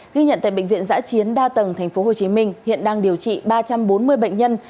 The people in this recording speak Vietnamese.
ghi nhận tại bệnh viện giã chiến đa tầng tp hcm hiện đang điều trị ba trăm bốn mươi bệnh nhân